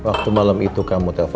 waktu malam itu kamu telpon